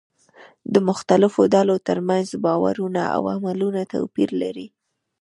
د مختلفو ډلو ترمنځ باورونه او عملونه توپير لري.